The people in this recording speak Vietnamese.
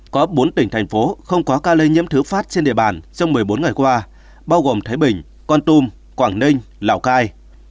có bốn tỉnh thành phố không có ca lây nhiễm thứ phát trên địa bàn trong một mươi bốn ngày qua bao gồm thái bình con tum quảng ninh lào cai